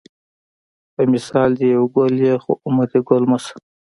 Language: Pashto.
په مثال دې یو ګل یې خو عمر دې ګل مه شه